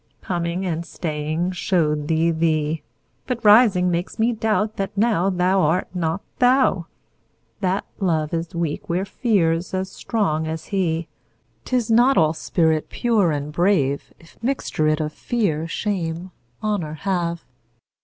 Coming and staying show'd thee thee; But rising makes me doubt that nowThou art not thou. That Love is weak where Fear's as strong as he;'Tis not all spirit pure and brave, If mixture it of Fear, Shame, Honour have.